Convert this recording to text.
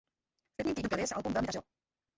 V prvním týdnu prodeje se album velmi dařilo.